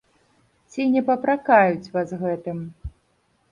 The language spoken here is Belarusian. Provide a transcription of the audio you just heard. Ці не папракаюць вас гэтым?